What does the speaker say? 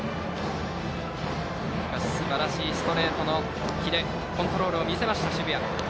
しかし、すばらしいストレートのキレとコントロールを見せた澁谷。